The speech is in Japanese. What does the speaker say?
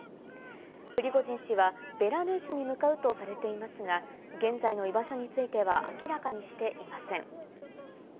プリゴジン氏はベラルーシに向かうとされていますが、現在の居場所については明らかにしていません。